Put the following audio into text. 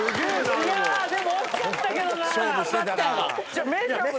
いや、でも惜しかったけどな。